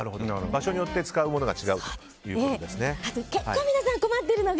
場所によって使うものが違うということですね。